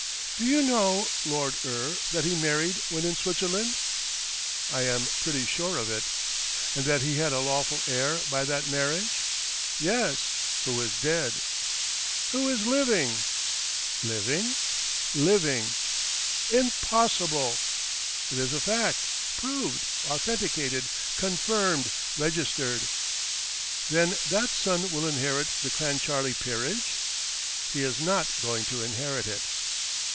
"Do you know, Lord Eure, that he married when in Switzerland?" "I am pretty sure of it." "And that he had a lawful heir by that marriage?" "Yes; who is dead." "Who is living." "Living?" "Living." "Impossible!" "It is a fact proved, authenticated, confirmed, registered." "Then that son will inherit the Clancharlie peerage?" "He is not going to inherit it."